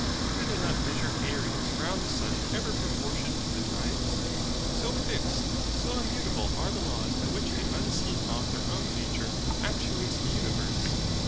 Do they not measure areas round the sun ever proportioned to the times? So fixed, so immutable are the laws by which the unseen Author of nature actuates the universe.